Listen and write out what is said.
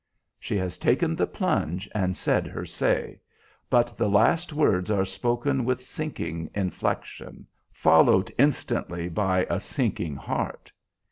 She has taken the plunge and said her say, but the last words are spoken with sinking inflection, followed instantly by a sinking heart.